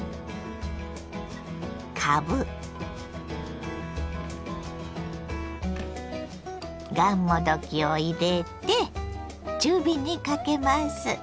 かぶがんもどきを入れて中火にかけます。